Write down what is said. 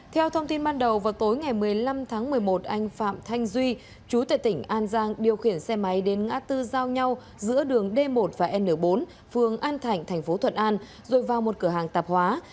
theo thông tin ban đầu vào tối ngày một mươi năm tháng một mươi một anh phạm thanh duy chú tệ tỉnh an giang điều khiển xe máy đến ngã tư giao nhau giữa đường d một và n bốn phường an thạnh thành phố thuận an rồi vào một cửa hàng tạp hóa